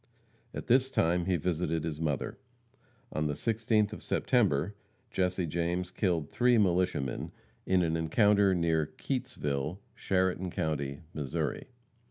At this time he visited his mother. On the 16th of September Jesse James killed three militiamen in an encounter near Keytesville, Chariton county, Missouri.